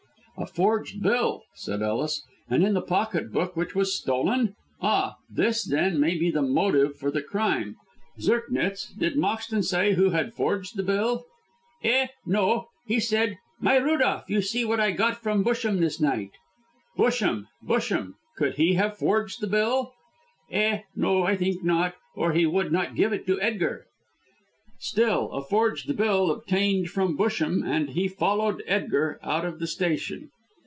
"A forged bill!" said Ellis, "and in the pocket book which was stolen? Ah, this, then, may be the motive for the crime. Zirknitz, did Moxton say who had forged the bill?" "Eh? No. He said, 'My Rudolph, see what I got from Busham this night.'" "Busham! Busham! Could he have forged the bill?" "Eh? No, I think not, or he would not give it to Edgar." "Still, a forged bill, obtained from Busham, and he followed Edgar out of the station.